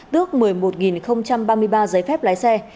tước một mươi một ba mươi ba giấy phép lái xe